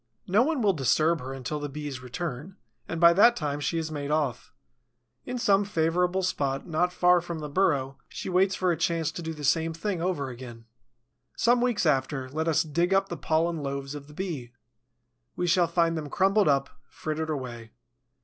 No one will disturb her until the Bee's return, and by that time she has made off. In some favorable spot, not far from the burrow, she waits for a chance to do the same thing over again. Some weeks after, let us dig up the pollen loaves of the Bee. We shall find them crumbled up, frittered away.